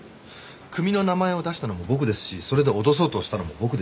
組の名前を出したのも僕ですしそれで脅そうとしたのも僕です。